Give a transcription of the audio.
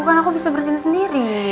bukan aku bisa bersihin sendiri